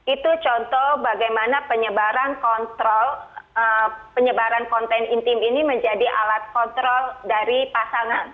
itu contoh bagaimana penyebaran konten intim ini menjadi alat kontrol dari pasangan